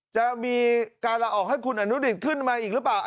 จะมีการลาออกให้คุณอนุดิตขึ้นมาอีกหรือเปล่า